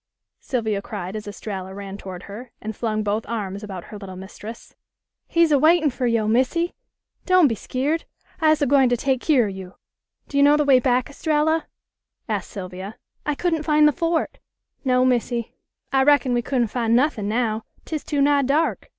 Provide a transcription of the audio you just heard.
Sylvia cried as Estralla ran toward her and flung both arms about her little mistress. "He's a waitin' fer yo', Missy! Don' be skeered; I'se gwine to take keer of yo'." "Do you know the way back, Estralla?" asked Sylvia. "I couldn't find the fort." "No, Missy; I reckon we couldn't fin' nuthin' now, 'tis too nigh dark.